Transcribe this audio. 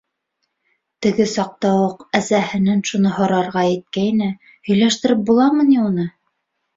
Теге саҡта уҡ әсәһенән шуны һорарға иткәйне - һөйләштереп буламы ни уны?